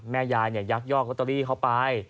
แม่ยายเนี่ยยักยอกก็ตรีเข้าไป